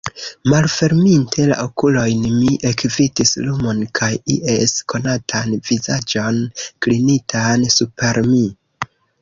Malferminte la okulojn, mi ekvidis lumon kaj ies konatan vizaĝon klinitan super mi.